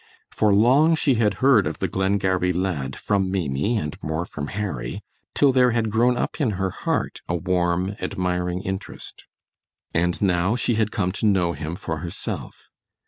For long she had heard of the Glengarry lad from Maimie and more from Harry till there had grown up in her heart a warm, admiring interest. And now she had come to know him for herself!